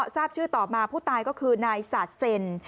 ทราบชื่อต่อมาผู้ตายก็คือนายสาดเซ็น